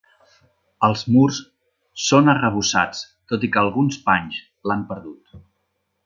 Els murs són arrebossats, tot i que alguns panys l'han perdut.